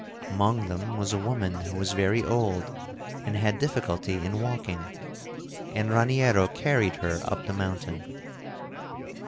Among them was a woman who was very old and had difficulty in walking, and Raniero carried her up the mountain.